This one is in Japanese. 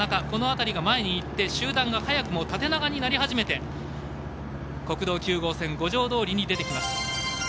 この辺りが前にいって集団が早くも縦長になり始めて国道９号線五条通に出てきます。